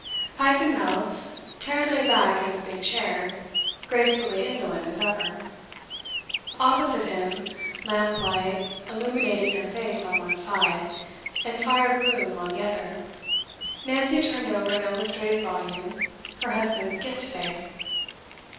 Pipe in mouth, Tarrant lay back in his big chair, gracefully indolent as ever. Opposite him, lamp light illuminating her face on one side, and fire gloom on the other, Nancy turned over an illustrated volume, her husband's gift today.